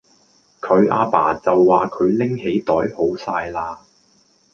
佢阿爸就話佢拎起袋好哂喇